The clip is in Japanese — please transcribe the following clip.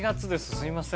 すいません。